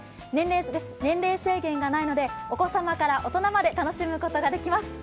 年齢制限がないのでお子様から大人まで楽しむことができます。